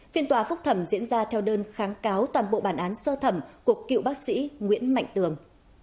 phiên tòa phúc thẩm diễn ra theo đơn kháng cáo toàn bộ bản án sơ thẩm của cựu bác sĩ nguyễn mạnh tường